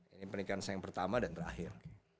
ini pernikahan saya yang pertama dan terakhir